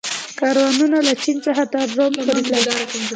کاروانونه له چین څخه تر روم پورې تلل